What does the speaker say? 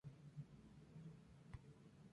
Pasa toda su vida en el hielo.